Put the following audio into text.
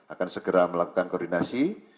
akan segera melakukan koordinasi